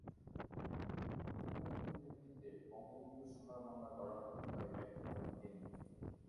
প্রধানমন্ত্রীর নেতৃত্বে বঙ্গবন্ধুর সোনার বাংলা গড়ার প্রত্যয় ব্যক্ত করেন তিনি।